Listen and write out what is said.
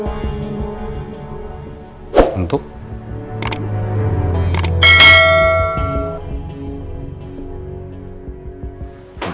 untuk yang terjadi di masa lalu dulu